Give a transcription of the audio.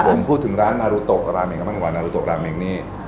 ผมพูดถึงร้านนารุโตราเมงก็ไม่เหมือนกว่านารุโตราเมงนี่